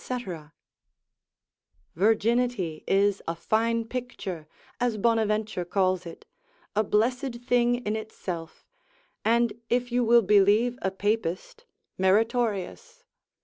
——— Virginity is a fine picture, as Bonaventure calls it, a blessed thing in itself, and if you will believe a Papist, meritorious.